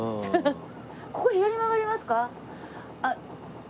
ここ左に曲がれますか？